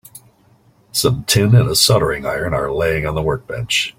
Some tin and a soldering iron are laying on the workbench.